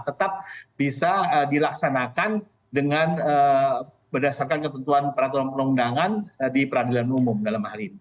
tetap bisa dilaksanakan dengan berdasarkan ketentuan peraturan perundangan di peradilan umum dalam hal ini